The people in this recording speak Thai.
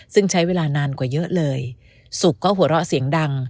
ซึ่งใช้เวลานานกว่าเยอะเลยสุกก็หัวเราะเสียงดัง